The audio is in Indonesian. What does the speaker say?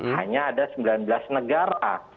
hanya ada sembilan belas negara